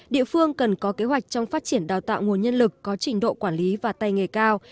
địa phương cần có kế hoạch trong phát triển đào tạo nguồn nhân lực có trình độ quản lý và tay nghề cao